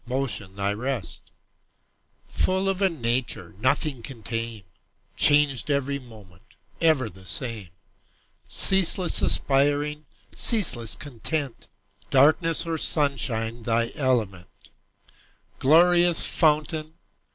Motion thy rest; Full of a nature Nothing can tame, Changed every moment, Ever the same; Ceaseless aspiring, Ceaseless content, Darkness or sunshine Thy element; Glorious fountain.